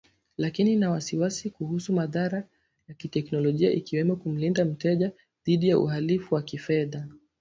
lakini ina wasiwasi kuhusu madhara ya kiteknolojia ikiwemo kumlinda mteja dhidi ya uhalifu wa kifedha